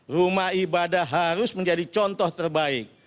rumah ibadah harus menjadi contoh terbaik